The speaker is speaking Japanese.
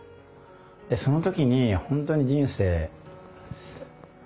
でその時に本当に人生まあ